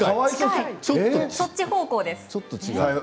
そっち方向です。